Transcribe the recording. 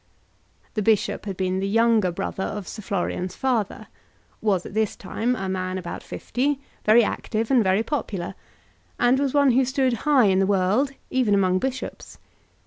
The bishop had been the younger brother of Sir Florian's father, was at this time a man about fifty, very active and very popular, and was one who stood high in the world, even among bishops.